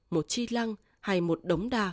một chi lăng hay một đống đa